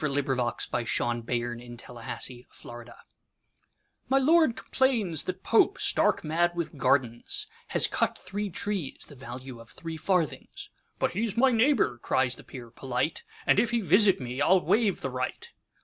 1903. Later Poems Epigram ("My Lord complains") MY Lord complains that Pope, stark mad with gardens, Has cut three trees, the value of three farthings.'But he 's my neighbour,' cries the Peer polite:'And if he visit me, I 'll waive the right.